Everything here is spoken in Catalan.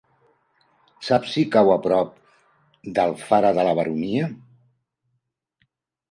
Saps si cau a prop d'Alfara de la Baronia?